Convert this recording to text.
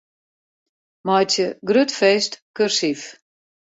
Meitsje 'grut feest' kursyf.